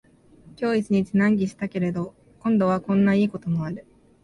今日一日難儀したけれど、今度はこんないいこともある